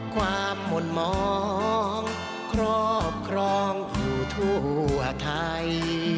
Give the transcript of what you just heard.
ความค้นมองครอบครองอยู่ทั่วใท